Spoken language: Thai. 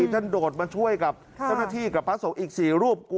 โดดมาช่วยกับเจ้าหน้าที่กับพระสงฆ์อีก๔รูป